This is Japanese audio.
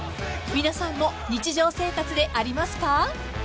［皆さんも日常生活でありますか？］